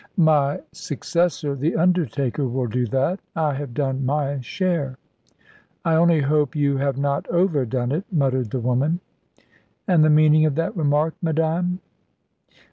"My successor the undertaker will do that. I have done my share." "I only hope you have not overdone it," muttered the woman. "And the meaning of that remark, madame?"